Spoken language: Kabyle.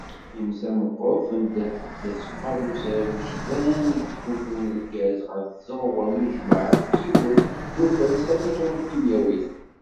Times-a meqqret, tendeh-d seg uqadus agejdan i yettmuddun lgaz ɣer tzeɣwa n ujmaɛ deg yiwet n ufares tapitrukimyawit.